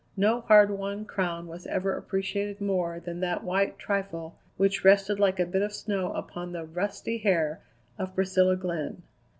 No hard won crown was ever appreciated more than that white trifle which rested like a bit of snow upon the "rusty hair" of Priscilla Glenn.